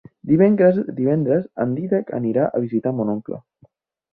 Divendres en Dídac anirà a visitar mon oncle.